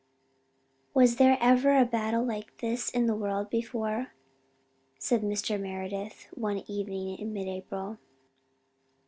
"Was there ever a battle like this in the world before?" said Mr. Meredith, one evening in mid April.